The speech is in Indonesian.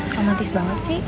romantis banget sih